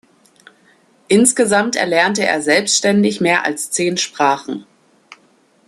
Insgesamt erlernte er selbständig mehr als zehn Sprachen.